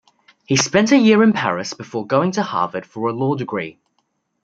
He spent a year in Paris before going to Harvard for a law degree.